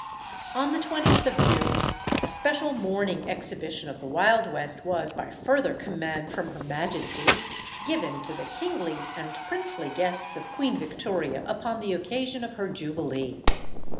On the 20th of June a special morning exhibition of the Wild West was, by further "command" from her majesty, given to the kingly and princely guests of Queen Victoria upon the occasion of her jubilee.